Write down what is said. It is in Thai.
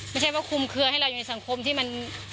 ไม่ใช่ว่าคุมเคลือให้เราอยู่ในสังคมที่มัน